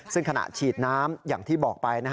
ซึ่งขณะฉีดน้ำอย่างที่บอกไป